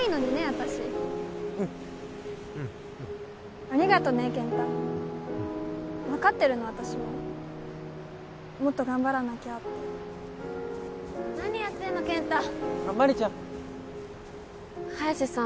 私うんありがとね健太分かってるの私ももっと頑張らなきゃって何やってんの健太麻里ちゃん早瀬さん